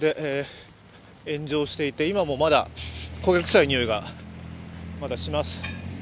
炎上していて、今もまだ焦げ臭いにおいがまだします。